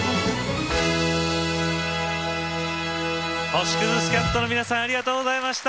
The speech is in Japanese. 星屑スキャットの皆さんありがとうございました。